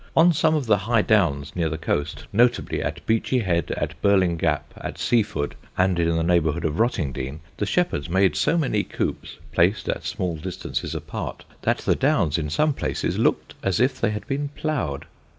On some of the high downs near the coast, notably at Beachy Head, at Birling Gap, at Seaford, and in the neighbourhood of Rottingdean, the shepherds made so many coops, placed at small distances apart, that the Downs in some places looked as if they had been ploughed.